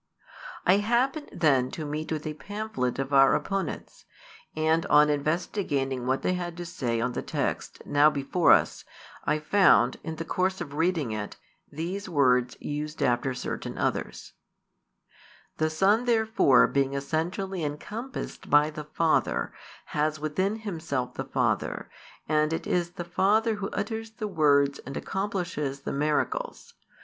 I happened then to meet with a pamphlet of our opponents, and on investigating what they had to say on the text now before us, I found, in the course of reading it, these words used after certain others: "The Son therefore being essentially encompassed by the Father, has within Himself the Father, and it is the Father Who utters the words and accomplishes the miracles.